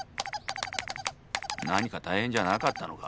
何か大変じゃなかったのか？